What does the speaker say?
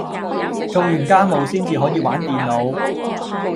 做完家務先至可以玩電腦